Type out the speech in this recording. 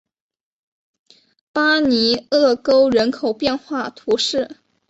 巴尼厄沟人口变化图示